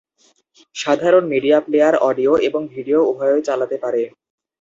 সাধারণ media player audio এবং video উভয়ই চালাতে পারে।